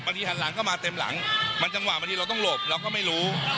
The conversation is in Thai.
หันหลังเข้ามาเต็มหลังมันจังหวะบางทีเราต้องหลบเราก็ไม่รู้